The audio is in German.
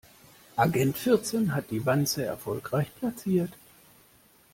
Agent vierzehn hat die Wanze erfolgreich platziert.